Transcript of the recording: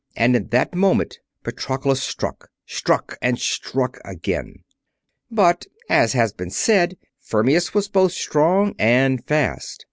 And in that moment Patroclus struck. Struck, and struck again. But, as has been said, Fermius was both strong and fast.